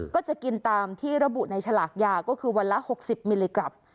ก็จะกินตามที่ระบุในฉลากยาก็คือวันละ๖๐มิลลิกรัม